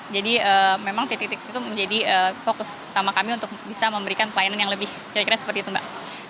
jadi memang titik titik itu menjadi fokus utama kami untuk bisa memberikan pelayanan yang lebih kira kira seperti itu mbak